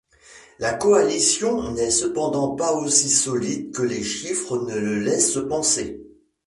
La coalition n'est cependant pas aussi solide que les chiffres ne le laisse penser.